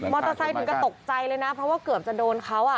เตอร์ไซค์ถึงก็ตกใจเลยนะเพราะว่าเกือบจะโดนเขาอ่ะ